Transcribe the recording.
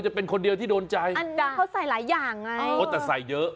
จะเป็นคนเดียวที่โดนใจอันดาเขาใส่หลายอย่างไงโอ้แต่ใส่เยอะ